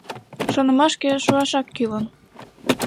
Шонымашке шуашак кӱлын.